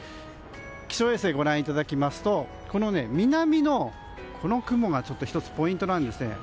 気象衛星をご覧いただきますと南の雲が１つ、ポイントなんですね。